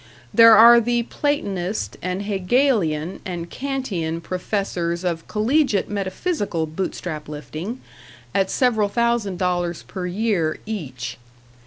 There are the Platonist and Hegelian and Kantian professors of collegiate metaphysical Bootstrap lifting at several thousand dollars per year each.